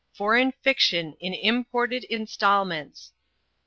III. Foreign Fiction in Imported Instalments.